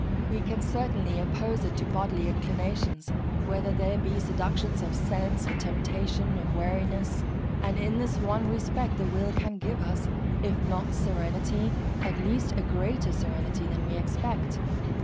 We can certainly oppose it to bodily inclinations, whether they be seductions of sense or temptations of weariness. And in this one respect the will can give us, if not serenity, at least a greater serenity than we expect.